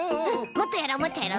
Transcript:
もっとやろうもっとやろう。